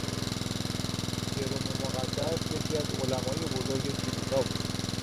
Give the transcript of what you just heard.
جروم مقدس یکی از علمای بزرگ کلیسا بود.